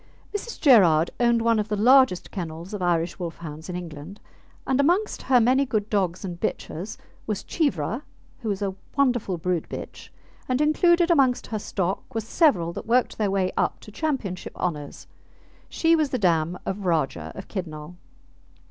Mrs. Gerard owned one of the largest kennels of Irish Wolfhounds in England, and amongst her many good dogs and bitches was Cheevra, who was a wonderful brood bitch, and included amongst her stock were several that worked their way up to championship honours; she was the dam of Rajah of Kidnal.